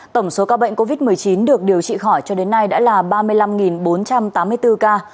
tổng số ca bệnh covid một mươi chín được điều trị khỏi cho đến nay đã là ba mươi năm bốn trăm tám mươi bốn ca